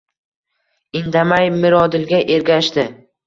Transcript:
Indamay Mirodilga ergashdi